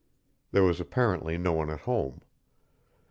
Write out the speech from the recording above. There was apparently no one at home.